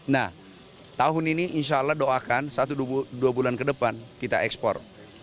nah tahun ini insya allah doakan satu dua bulan ke depan kita ekspor